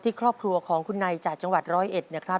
ครอบครัวของคุณในจากจังหวัดร้อยเอ็ดนะครับ